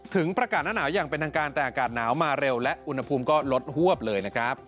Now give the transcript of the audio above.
ประกาศหน้าหนาวอย่างเป็นทางการแต่อากาศหนาวมาเร็วและอุณหภูมิก็ลดหวบเลยนะครับ